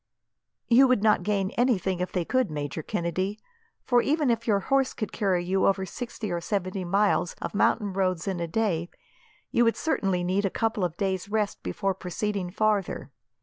"You would not gain anything if they could, Major Kennedy, for even if your horse could carry you over sixty or seventy miles of mountain roads in a day, you would certainly need a couple of days' rest before proceeding farther.